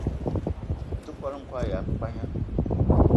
Me te kwal-n'kwal ya pagna